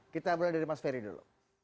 kita mulai dari mas ferry dulu